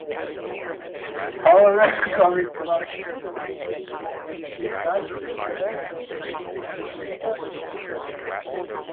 However, "Comix Book" did not sell well and lasted only five issues.